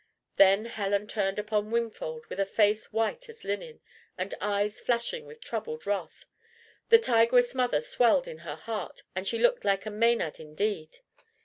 Then Helen turned upon Wingfold with a face white as linen, and eyes flashing with troubled wrath. The tigress mother swelled in her heart, and she looked like a Maenad indeed.